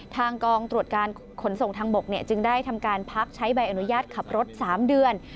ทางกองตรวจการขนส่งทางบกจึงได้ทำการพักใช้ใบอนุญาตขับรถ๓เดือน